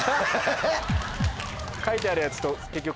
書いてあるやつと。